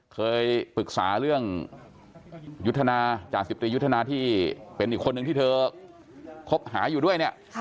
เคยปรึกษาเรื่องยุทธนาจ่าสิบตรียุทธนาที่เป็นอีกคนนึงที่เธอคบหาอยู่ด้วยเนี่ย